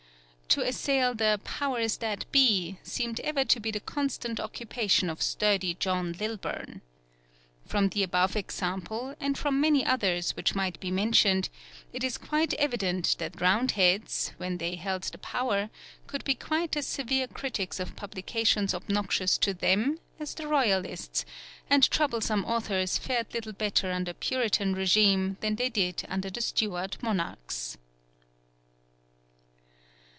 To assail the "powers that be" seemed ever to be the constant occupation of "Sturdy John" Lilburne. From the above example, and from many others which might be mentioned, it is quite evident that Roundheads, when they held the power, could be quite as severe critics of publications obnoxious to them as the Royalists, and troublesome authors fared little better under Puritan regime than they did under the Stuart monarchs.